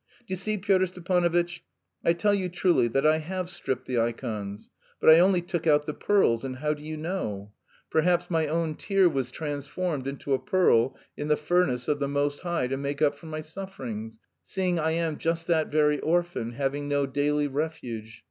"D'you see, Pyotr Stepanovitch, I tell you truly that I have stripped the ikons, but I only took out the pearls; and how do you know? Perhaps my own tear was transformed into a pearl in the furnace of the Most High to make up for my sufferings, seeing I am just that very orphan, having no daily refuge.